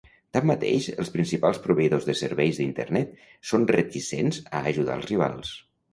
Tanmateix, els principals proveïdors de serveis d'Internet són reticents a ajudar els rivals.